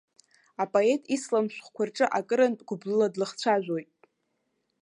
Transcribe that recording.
Апоет исалам шәҟәқәа рҿы акырынтә гәыблыла длыхцәажәоит.